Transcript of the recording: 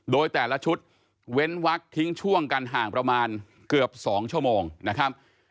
โดยแต่ละชุดเว้นวักทิ้งช่วงกันห่างประมาณเกือบ๒ชั่วโมงนะครับ